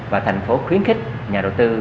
và thành phố khuyến khích nhà đầu tư